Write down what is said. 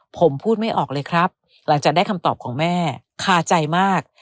ผมพูดไม่ออกเลยครับหลังจากได้คำตอบของแม่คาใจมาก